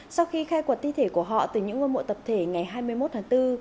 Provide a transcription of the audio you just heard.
sau khi khai quật thi thể của họ từ những ngôi mộ tập thể ngày hai mươi một tháng bốn